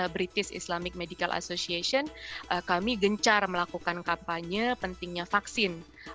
british islamic medical association kami gencar melakukan kampanye pentingnya vaksin